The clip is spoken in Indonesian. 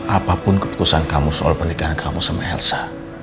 apapun keputusan kamu soal pernikahan kamu sama elsa